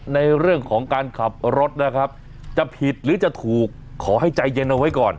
ในเรื่องของการขับรถนะครับจะผิดหรือจะถูกขอให้ใจเย็นเอาไว้ก่อน